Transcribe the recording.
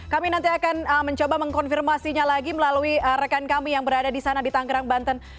kami nanti akan mencoba mengkonfirmasinya lagi melalui rekan kami yang berada di sana di tanggerang banten